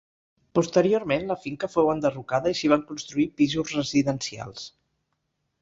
Posteriorment la finca fou enderrocada i s'hi van construir pisos residencials.